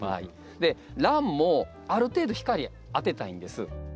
でランもある程度光当てたいんです。